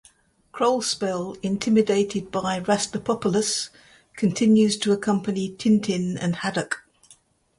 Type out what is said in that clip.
Krollspell, intimidated by Rastapopoulos, continues to accompany Tintin and Haddock.